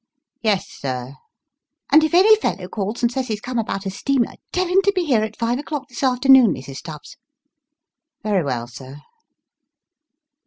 " Yes, sir." " And if any fellow calls, and Bays he's come about a steamer, tell him to be here at five o'clock this afternoon, Mrs. Stubbs." " Very well, sir."